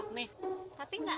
kayaknya ada yang rusak